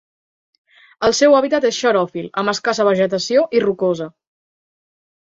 El seu hàbitat és xeròfil, amb escassa vegetació i rocosa.